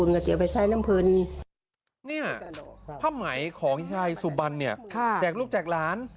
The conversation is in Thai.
เนี่ยผ้าไหมของยายสุบันเนี่ยแจกลูกแจกหลาน